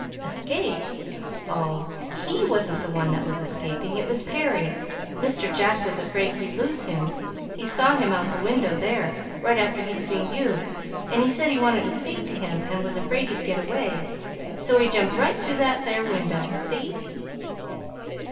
"Escape? Oh, HE wasn't the one that was escaping. It was Perry. Mr. Jack was afraid he'd lose him. He saw him out the window there, right after he'd seen you, and he said he wanted to speak to him and he was afraid he'd get away. So he jumped right through that window there. See?"